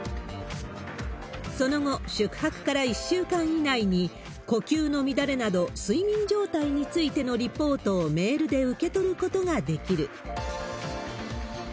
その後、宿泊から１週間以内に、呼吸の乱れなど、睡眠状態についてのリポートをメールで受け取ることができる。